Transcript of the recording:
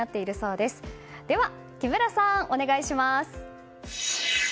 では、木村さんお願いします。